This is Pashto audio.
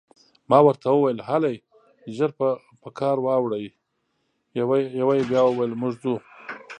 ما ورته وویل: هلئ، ژر په کار واوړئ، یوه یې بیا وویل: موږ ځو.